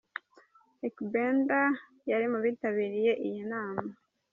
Ykee Benda yari mu bitabiriye iyi nama.